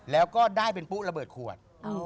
แล้วก็ได้เป็นปุ๊ระเบิดขวด